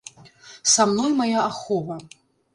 Са мной мая ахова.